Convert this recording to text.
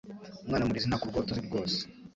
Umwana murizi ntakurwa urutozi rwose